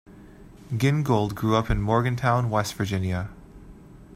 Gingold grew up in Morgantown, West Virginia.